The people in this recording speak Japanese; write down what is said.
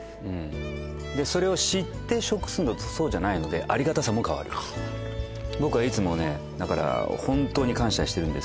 でそれを知って食するのとそうじゃないので変わる僕はいつもねだから本当に感謝してるんです